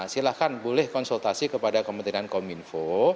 silahkan boleh konsultasi kepada kementerian kominfo